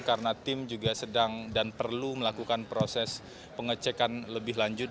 karena tim juga sedang dan perlu melakukan proses pengecekan lebih lanjut